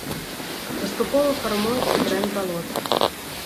Паступова фармуецца брэнд балота.